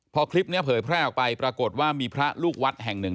พอคลิปนี้เผยแพร่ออกไปปรากฏว่ามีพระลูกวัดแห่งหนึ่ง